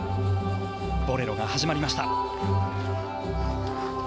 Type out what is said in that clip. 「ボレロ」が始まりました。